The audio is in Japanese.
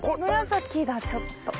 紫だちょっと。